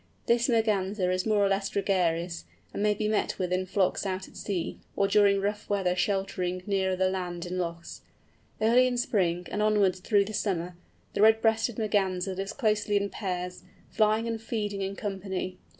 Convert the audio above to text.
This Merganser is more or less gregarious, and may be met with in flocks out at sea, or during rough weather sheltering nearer the land in lochs. Early in spring, and onwards through the summer, the Red breasted Merganser lives closely in pairs, flying and feeding in company.